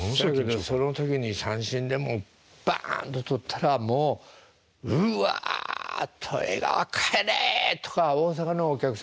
だけどその時に三振でもバンと取ったらもう「うわ江川帰れ！」とか大阪のお客さんはね。